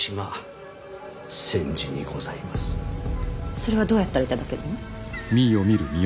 それはどうやったら頂けるの。